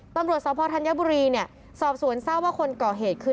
ตำรวจสพธัญบุรีเนี่ยสอบสวนทราบว่าคนก่อเหตุคือ